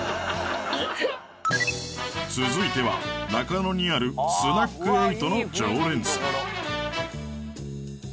続いては中野にあるスナックエイトの常連さん